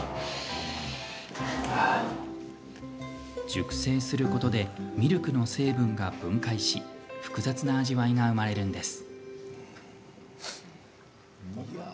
熟成することでミルクの成分が分解し複雑な味わいが生まれるんです。